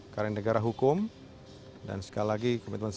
karena ini negara hukum dan sekali lagi komitmen saya